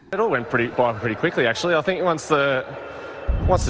ketua kelompok advokasi utama